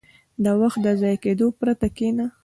• د وخت د ضایع کېدو پرته کښېنه.